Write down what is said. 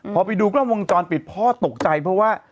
พอไปดูกล้องวงจรปิดพ่อตกใจเพราะว่า